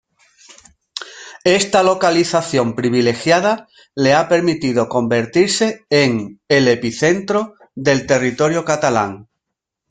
Esta localización privilegiada le ha permitido convertirse en el epicentro del territorio catalán.